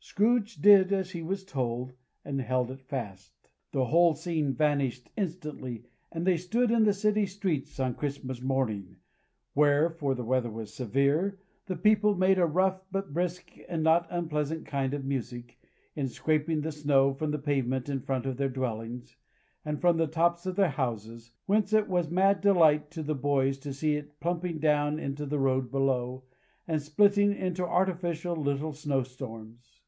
Scrooge did as he was told, and held it fast. The whole scene vanished instantly and they stood in the city streets on Christmas morning, where (for the weather was severe) the people made a rough, but brisk and not unpleasant kind of music, in scraping the snow from the pavement in front of their dwellings, and from the tops of their houses, whence it was mad delight to the boys to see it come plumping down into the road below, and splitting into artificial little snowstorms.